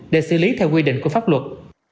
để xử lý theo quy định của pháp luật